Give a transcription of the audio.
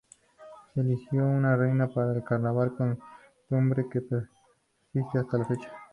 Se eligió una reina para el carnaval, costumbre que persiste hasta la fecha.